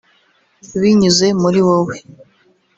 Binyuze muri wowe